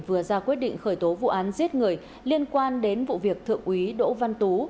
vừa ra quyết định khởi tố vụ án giết người liên quan đến vụ việc thượng úy đỗ văn tú